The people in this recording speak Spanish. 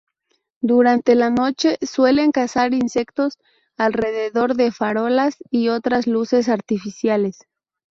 Durante la noche suele cazar insectos alrededor de farolas y otras luces artificiales.